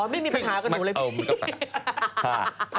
อ๋อไม่มีปัญหากับหนูเลยพี่